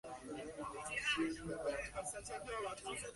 佃是东京都中央区的地名。